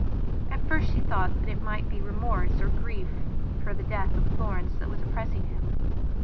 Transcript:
At first she thought that it might be remorse, or grief, for the death of Florence that was oppressing him.